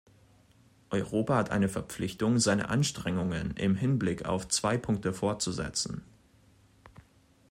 Europa hat eine Verpflichtung, seine Anstrengungen im Hinblick auf zwei Punkte fortzusetzen.